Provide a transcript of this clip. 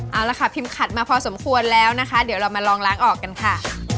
เอาละค่ะพิมขัดมาพอสมควรแล้วนะคะเดี๋ยวเรามาลองล้างออกกันค่ะ